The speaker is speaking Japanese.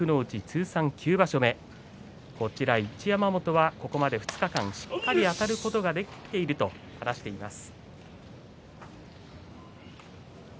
通算９場所目一山本は、ここまで２日間しっかりあたることができていると話しています。